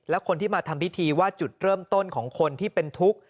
และคนที่มาทำพิธีว่าจุดเริ่มต้นของคนที่เป็นทุกข์